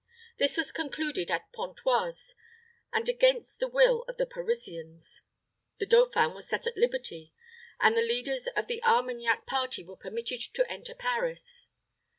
This was concluded at Pontoise, much against the will of the Parisians; the dauphin was set at liberty; and the leaders of the Armagnac party were permitted to enter Paris.